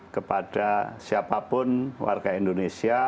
kepada siapapun warga indonesia